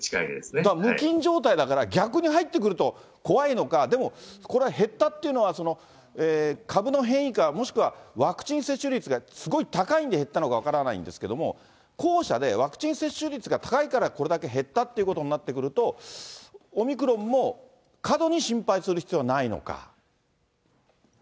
だから無菌状態だから、逆に入ってくると怖いのか、でも、これは減ったっていうのは、株の変異か、もしくはワクチン接種率がすごい高いんで減ったのか分からないんですけども、後者でワクチン接種率が高いからこれだけ減ったということになってくると、オミクロンも過度に心配する必要はないのか。